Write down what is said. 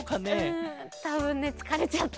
うんたぶんねつかれちゃった。